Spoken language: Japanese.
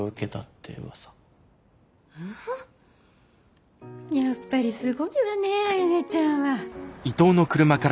やっぱりすごいわねえあやねちゃんは。